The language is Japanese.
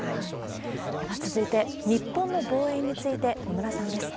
では続いて、日本の防衛について、野村さんです。